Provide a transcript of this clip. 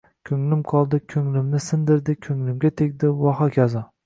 Ko`nglim qoldi, ko`nglimni sindirdi, ko`nglimga tegdi vaho kazo